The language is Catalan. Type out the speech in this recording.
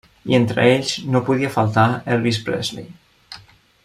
I entre ells no podia faltar Elvis Presley.